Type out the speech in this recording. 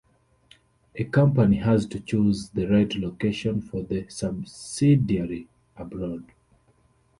A company has to choose the right location for the subsidiary abroad.